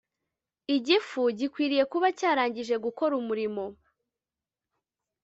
igifu gikwiriye kuba cyarangije gukora umurimo